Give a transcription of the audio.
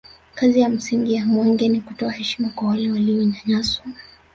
kazi ya msingi ya mwenge ni kutoa heshima kwa wale walionyanyaswa